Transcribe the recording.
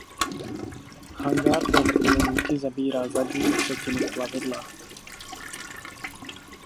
Hangár pro vrtulníky zabírá zadní třetinu plavidla.